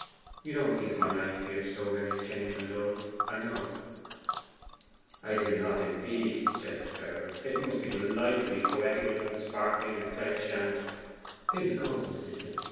You don't think my life here so very tame and dull, I know.' 'I do not, indeed,' he said with fervour. 'It must be delightfully poetical, and sparkling, and fresh, and ' 'There you go, Mr. Smith!